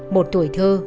một tuổi thơ